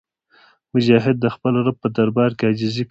مجاهد د خپل رب په دربار کې عاجزي کوي.